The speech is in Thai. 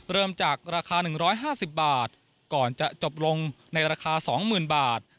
เริ่มจากราคา๑๕๐บาทก่อนจะจบลงในราคา๒๐๐๐บาท